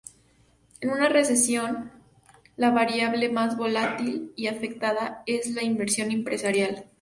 En una recesión la variable mas volátil y afectada es la inversión empresarial.